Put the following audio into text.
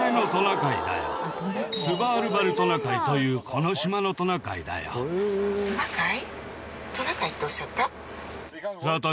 スヴァールバルトナカイというこの島のトナカイだよ「トナカイ」っておっしゃった？